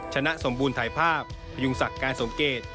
ชนะสมบูรณ์ถ่ายภาพพยุงศักดิ์การสมเกต